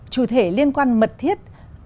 chủ thể liên quan mật thiết